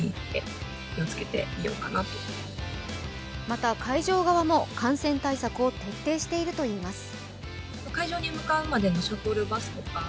また会場側も感染対策を徹底しているといいます。